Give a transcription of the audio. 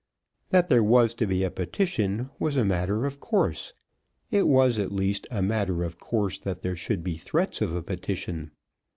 That there was to be a petition was a matter of course. It was at least a matter of course that there should be threats of a petition.